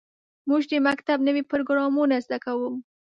موږ د مکتب نوې پروګرامونه زده کوو.